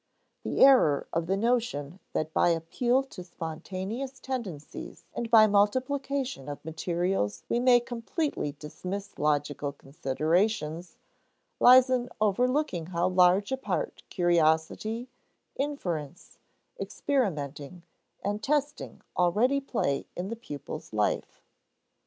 The error of the notion that by appeal to spontaneous tendencies and by multiplication of materials we may completely dismiss logical considerations, lies in overlooking how large a part curiosity, inference, experimenting, and testing already play in the pupil's life.